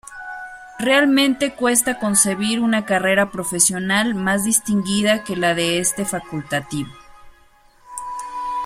Realmente cuesta concebir una carrera profesional más distinguida que la de este facultativo.